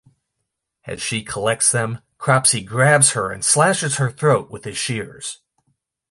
As she collects them, Cropsy grabs her and slashes her throat with his shears.